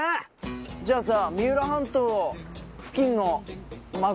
じゃあさ。